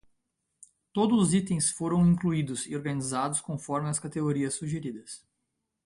Todos os itens foram incluídos e organizados conforme as categorias sugeridas.